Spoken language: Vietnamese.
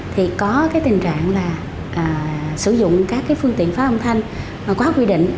thì có cái tình trạng là sử dụng các phương tiện phá âm thanh quá quy định